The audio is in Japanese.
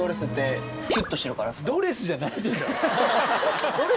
ドレスじゃないんですか？